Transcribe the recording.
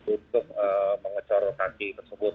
untuk mengecor kaki tersebut